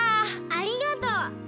ありがとう！